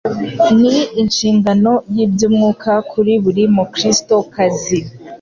Ni inshingano y’iby’umwuka kuri buri Mukristokazi